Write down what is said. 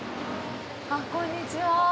あっ、こんにちは。